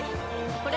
これ！